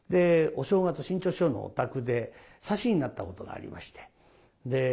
お正月志ん朝師匠のお宅で差しになったことがありまして。